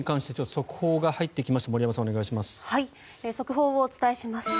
速報をお伝えします。